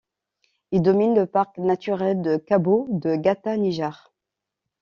Il domine le parc naturel de Cabo de Gata-Nijár.